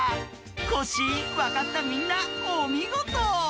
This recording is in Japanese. コッシーわかったみんなおみごと。